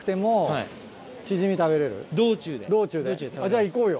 じゃあ行こうよ。